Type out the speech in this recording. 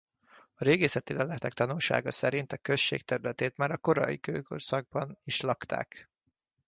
A régészeti leletek tanúsága szerint a község területét már a korai kőkorszakban is lakták.